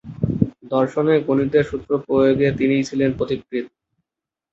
দর্শনে গণিতের সূত্র প্রয়োগে তিনিই ছিলেন পথিকৃৎ।